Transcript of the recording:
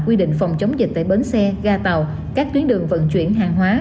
quy định phòng chống dịch tại bến xe ga tàu các tuyến đường vận chuyển hàng hóa